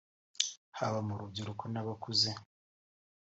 haba mu rubyiruko n’abakuze